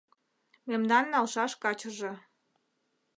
Мемнан налшаш качыже